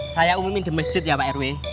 saya umumin di masjid ya pak rw